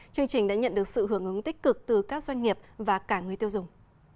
chương trình đã nhận được sự hưởng ứng tích cực từ các doanh nghiệp và cả người tiêu dùng